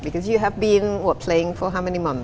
karena anda telah bermain selama berapa bulan sekarang